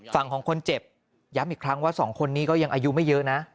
ฝั่งของคนเจ็บย้ำอีกครั้งว่าสองคนนี้ก็ยังอายุไม่เยอะนะ